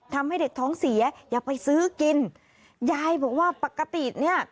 ทำให้เด็กท้องเสียอย่าไปซื้อกินยายบอกว่าปกติเนี่ย